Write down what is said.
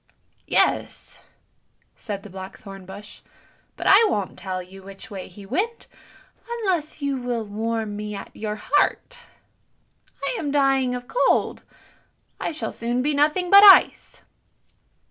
" "Yes," said the blackthorn bush; "but I won't tell you which way he went unless you will warm me at your heart. I am dying of cold; I shall soon be nothing but ice."